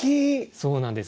そうなんです。